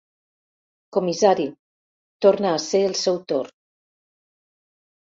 Comissari, torna a ser el seu torn.